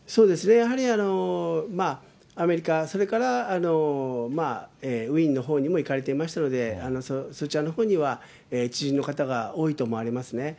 やはりアメリカ、それからウィーンのほうにも行かれていましたので、そちらのほうには知人の方が多いと思われますね。